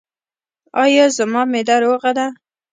ایا زما معده روغه ده؟